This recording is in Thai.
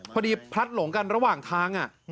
พลัดหลงกันระหว่างทาง